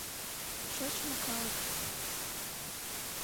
Шочмо калык…